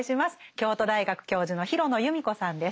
京都大学教授の廣野由美子さんです。